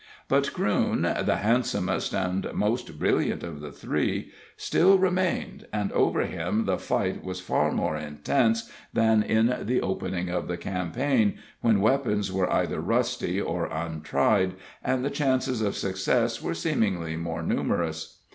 But Crewne, the handsomest and most brilliant of the three, still remained, and over him the fight was far more intense than in the opening of the campaign, when weapons were either rusty or untried, and the chances of success were seemingly more numerous.